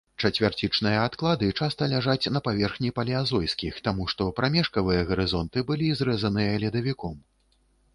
Чацвярцічныя адклады часта ляжаць на паверхні палеазойскіх, таму што прамежкавыя гарызонты былі зрэзаныя ледавіком.